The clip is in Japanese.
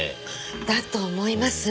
だと思います。